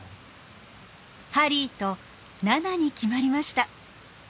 「はりー」と「なな」に決まりました。